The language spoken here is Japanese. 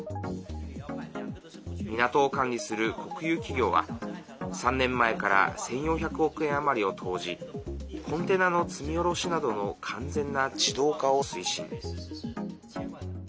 港を管理する国有企業は３年前から１４００億円余りを投じコンテナの積み降ろしなどの完全な自動化を推進。